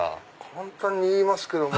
簡単に言いますけども。